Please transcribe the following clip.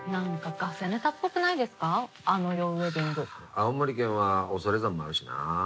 青森県は恐山もあるしな。